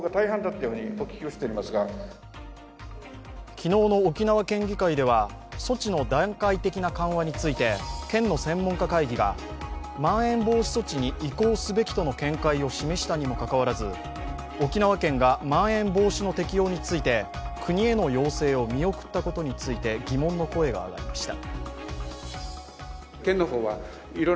昨日の沖縄県議会では措置の段階的な緩和について県の専門家会議が、まん延防止措置に移行すべきとの見解を示したにもかかわらず、沖縄県がまん延防止の適用について国への要請を見送ったことについて疑問の声が上がりました。